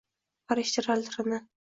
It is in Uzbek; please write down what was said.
farishtalar tilini